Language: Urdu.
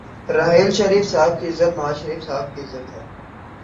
راحیل شریف صاحب کی عزت نوازشریف صاحب کی عزت ہے۔